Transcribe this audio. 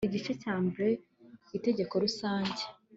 igice cya mbre inteko rusange